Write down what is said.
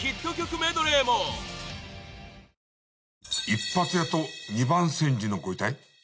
一発屋と二番煎じのご遺体！？